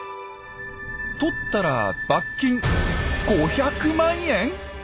とったら罰金５００万円！？